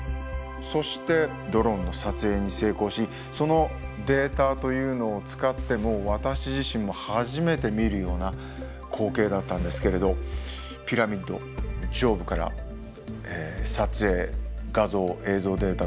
そしてドローンの撮影に成功しそのデータというのを使って私自身も初めて見るような光景だったんですけれどピラミッド上部から撮影画像映像データというのを取得したわけです。